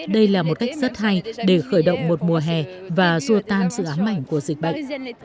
đây là một cách rất hay để khởi động một mùa hè và rua tan sự ám ảnh của dịch bệnh